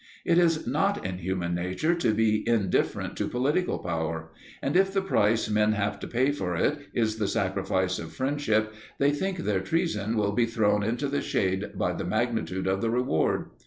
It is not in human nature to be indifferent to political power; and if the price men have to pay for it is the sacrifice of friendship, they think their treason will be thrown into the shade by the magnitude of the reward.